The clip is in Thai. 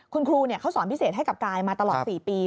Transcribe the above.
คุณครูเขาสอนพิเศษให้กับกายมาตลอด๔ปี